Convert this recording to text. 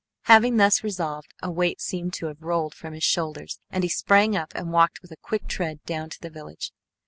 Having thus resolved, a weight seemed to have rolled from his shoulders and he sprang up and walked with a quick tread down to the village.